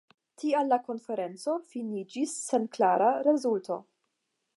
Tial la konferenco finiĝis sen klara rezulto.